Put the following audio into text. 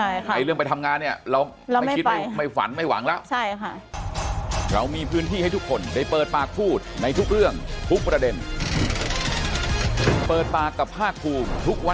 ในเรื่องไปทำงานเนี่ยเราไม่คิดไม่ฝันไม่หวังแล้ว